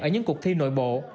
ở những cuộc thi nội bộ